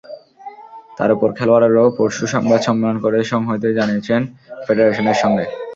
তার ওপর খেলোয়াড়েরাও পরশু সংবাদ সম্মেলন করে সংহতি জানিয়েছেন ফেডারেশনের সঙ্গে।